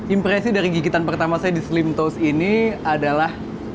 impresi dari gigitan pertama saya di slim toast ini adalah